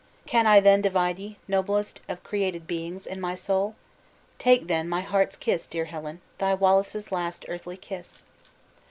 Can I then divide ye, noblest of created beings, in my soul! Take, then, my heart's kiss, dear Helen, thy Wallace's last earthly kiss!"